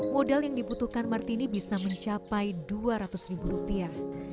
modal yang dibutuhkan martini bisa mencapai dua ratus ribu rupiah